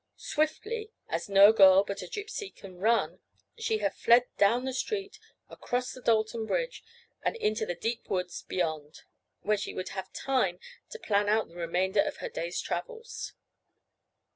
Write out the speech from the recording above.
Swiftly, as no girl but a Gypsy can run, she had fled down the street, across the Dalton bridge, and into the deep woods beyond, where she would have time to plan out the remainder of her day's travels.